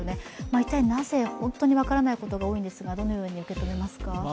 一体なぜ、本当に分からないことが多いんですが、どのように受け止めますか？